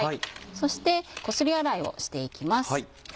そしてこすり洗いをしていきます。